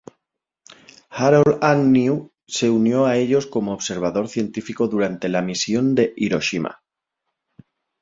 Harold Agnew se unió a ellos como observador científico durante la misión de Hiroshima.